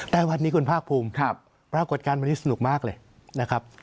แต่วันนี้คุณภาคภูมิปรากฏการณ์วันนี้สนุกมากเลยนะครับ